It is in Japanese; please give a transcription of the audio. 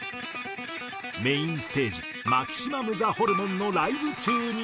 メインステージマキシマムザホルモンのライブ中に。